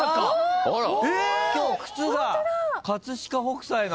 今日靴が飾北斎の？